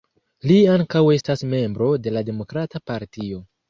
Li ankaŭ estas membro de la Demokrata Partio.